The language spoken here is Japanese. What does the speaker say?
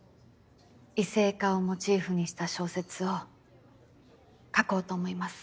異性化をモチーフにした小説を書こうと思います。